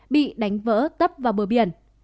bị đánh vỡ tấp vào bờ biển